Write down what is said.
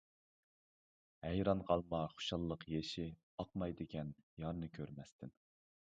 ھەيران قالما خۇشاللىق يېشى، ئاقمايدىكەن يارنى كۆرمەستىن.